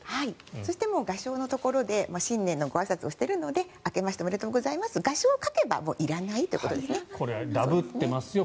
そして、賀正のところで新年のごあいさつをしているので明けましておめでとうございますは賀正を書けばもういらないということですね。